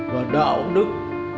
và đạo đức